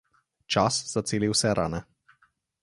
Čas zaceli vse rane.